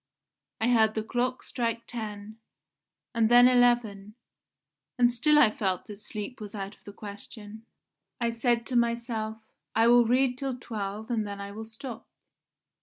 I heard the clock strike ten, and then eleven, and still I felt that sleep was out of the question. I said to myself: 'I will read till twelve and then I will stop.